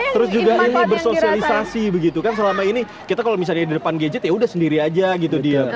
terus juga ini bersosialisasi begitu kan selama ini kita kalau misalnya di depan gadget ya udah sendiri aja gitu dia